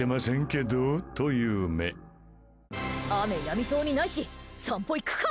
雨やみそうにないし散歩行くか？